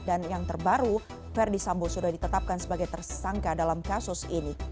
dan yang terbaru verdi sambo sudah ditetapkan sebagai tersangka dalam kasus ini